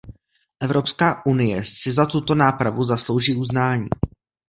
Evropská unie si za tuto nápravu zaslouží uznání.